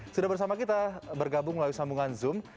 sudah bersama kita bergabung melalui sambungan zoom